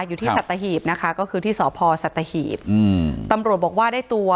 อยู่ที่ศตหีพนะคะก็คือที่ศภศตหีพอืมตำรวจบอกว่าได้ตัว